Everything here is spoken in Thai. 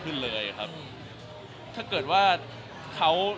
คือแฟนคลับเขามีเด็กเยอะด้วย